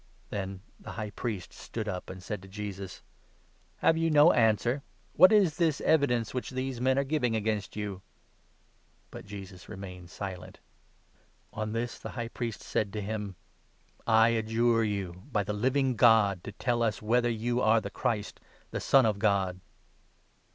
'" Then the High Priest stood up, and said to Jesus : 62 " Have you no answer? What is this evidence which these men are giving against you ?" But Jesus remained silent. On this the High Priest said to 63 him :" I adjure you, by the Living God, to tell us whether you are the Christ, the Son of God."